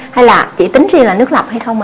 hay là chỉ tính riêng là nước lọc hay không